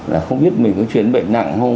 là không biết mình có chuyển bệnh nặng không